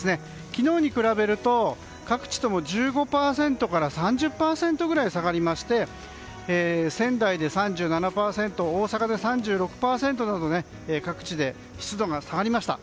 昨日に比べると各地とも１５％から３０％くらい下がりまして仙台で３７％、大阪で３６％など各地で湿度が下がりました。